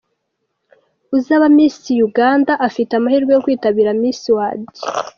Uzaba Miss Uganda afite amahirwe yo kwitabira Miss World.